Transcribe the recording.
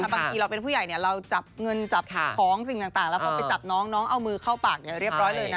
บางทีเราเป็นผู้ใหญ่เราจับเงินจับของสิ่งต่างแล้วเขาไปจับน้องน้องเอามือเข้าปากเรียบร้อยเลยนะ